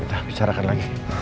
kita bicarakan lagi